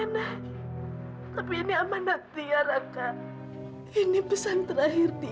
hai tapi ini amanat ya raka ini pesan terakhir dia